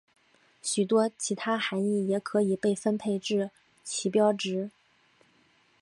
许多其他含意也可以被分配至旗标值。